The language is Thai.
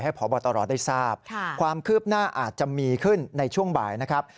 พบตรได้ทราบความคืบหน้าอาจจะมีขึ้นในช่วงบ่ายนะครับ